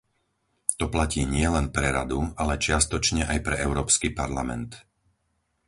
To platí nielen pre Radu, ale čiastočne aj pre Európsky parlament.